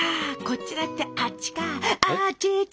こっちだったあっちか。